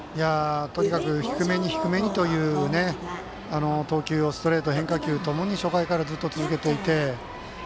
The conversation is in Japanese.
とにかく低めに低めにという投球をストレート、変化球ともに初回からずっと続けていて。